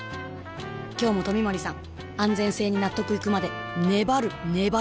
今日も冨森さん安全性に納得いくまで粘る粘る